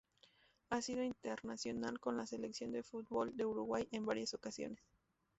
Ha sido internacional con la Selección de fútbol de Uruguay en varias ocasiones.